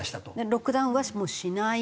ロックダウンはもうしないぞと。